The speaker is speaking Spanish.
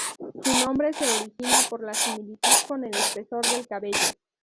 Su nombre se origina por la similitud con el espesor del cabello.